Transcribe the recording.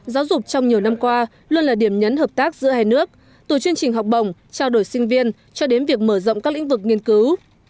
giáo dục trong nhiều năm qua luôn là điểm nhấn hợp tác giữa hai nước từ chương trình học bổng trao đổi sinh viên cho đến việc mở rộng các lĩnh vực nghiên cứu